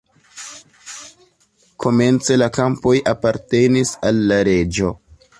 Komence la kampoj apartenis al la reĝo.